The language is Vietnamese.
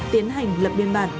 tiến hành lập biên bản